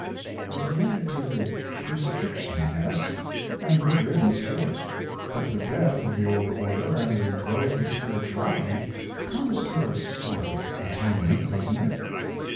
"As related to the crucifixion, yes, and good riddance to it; but the death of the old order and the growth of spirituality comes to a sort of atonement, doesn't it?"